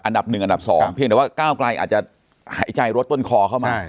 อันดับหนึ่งอันดับสองเพียงแต่ว่าก้าวกลายอาจจะหายใจรวดต้นคอเข้ามา